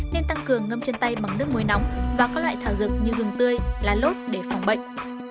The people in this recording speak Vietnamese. nên tăng cường ngâm chân tay bằng nước muối nóng và các loại thảo dược như gừng tươi lá lốt để phòng bệnh